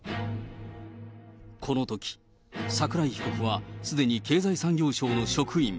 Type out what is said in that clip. このとき、桜井被告はすでに経済産業省の職員。